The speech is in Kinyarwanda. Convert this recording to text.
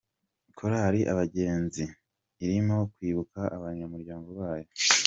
Korali Abagenzi irimo kwibuka abanyamuryango bayo.